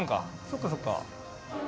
そっかそっか。